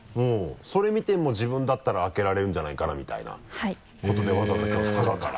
それ見て「自分だったら開けられるんじゃないかな」みたいなことでわざわざきょうは佐賀から？